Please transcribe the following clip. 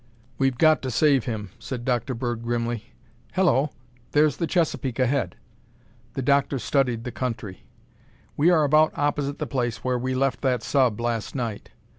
"We've got to save him," said Dr. Bird grimly. "Hello, there's the Chesapeake ahead." The doctor studied the country. "We are about opposite the place where we left that sub last night.